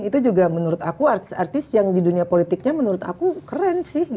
itu juga menurut aku artis artis yang di dunia politiknya menurut aku keren sih